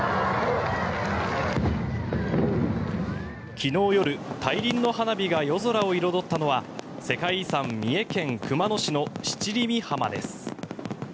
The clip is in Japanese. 昨日夜大輪の花火が夜空を彩ったのは世界遺産、三重県熊野市の七里御浜です。